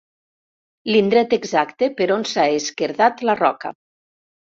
L'indret exacte per on s'ha esquerdat la roca.